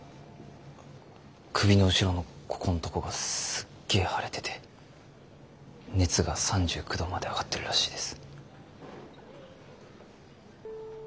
首の後ろのここんとこがすっげえ腫れてて熱が３９度まで上がってるらしいです。